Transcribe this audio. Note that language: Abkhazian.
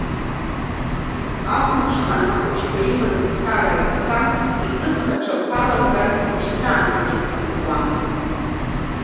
Ахәымҽхан, ахәыҷқәа иманы, ӡҭалара дцан, икыдхаҽа ақәа аламгар, лашьцаанӡагьы дхынҳәуамызт.